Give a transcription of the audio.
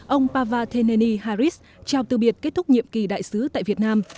ông pavartheneni harris chào từ biệt kết thúc nhiệm kỳ đại sứ tại việt nam